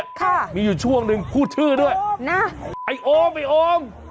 ค่ะค่ะมีอยู่ช่วงนึงพูดชื่อด้วยไอ้โอ้มไอ้โอ้ม